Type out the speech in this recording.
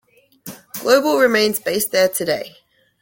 Global remains based there today.